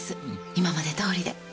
今までどおりで。